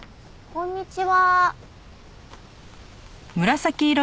こんにちは。